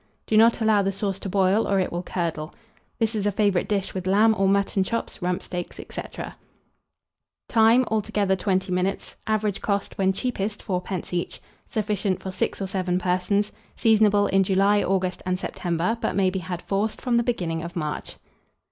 Do not allow the sauce to boil, or it will curdle. This is a favourite dish with lamb or mutton chops, rump steaks, &c. Time. Altogether, 20 minutes. Average cost, when cheapest, 4d. each. Sufficient for 6 or 7 persons. Seasonable in July, August, and September; but may be had, forced, from the beginning of March.